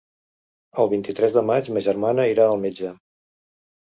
El vint-i-tres de maig ma germana irà al metge.